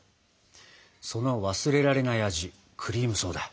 その忘れられない味クリームソーダ。